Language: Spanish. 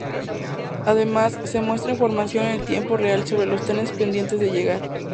Además, se muestra información en tiempo real sobre los trenes pendientes de llegar.